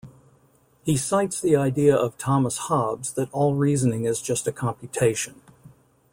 He cites the idea of Thomas Hobbes that all reasoning is just a computation.